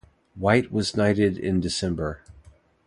White was knighted in December.